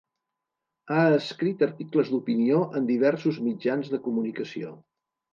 Ha escrit articles d'opinió en diversos mitjans de comunicació.